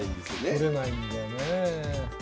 取れないんだよね。